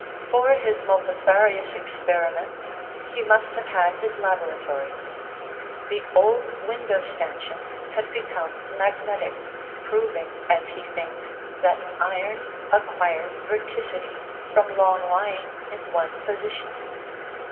For his multifarious experiments he must have had his laboratory. The old window stanchions had become magnetic, proving, as he thinks, that iron "acquires verticity" from long lying in one position.